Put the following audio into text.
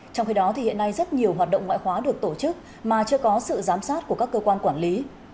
trong khi đó hiện nay rất nhiều hoạt động ngoại khóa được tổ chức mà chưa có sự giám sát của các cơ quan quản lý